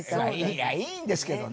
いやいいんですけどね